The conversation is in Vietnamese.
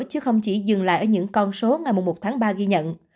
chứ không chỉ dừng lại ở những con số ngày một tháng ba ghi nhận